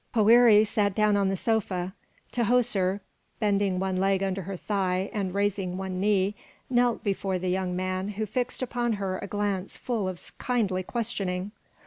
Poëri sat down on the sofa. Tahoser, bending one leg under her thigh and raising one knee, knelt before the young man who fixed upon her a glance full of kindly questioning.